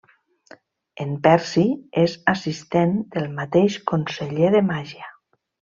En Percy és assistent del mateix conseller de màgia.